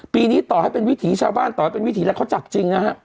ปีนี้ต่อให้เป็นวิถีชาวบ้านต่อให้เป็นวิถีแล้วเขาจับจริงนะฮะ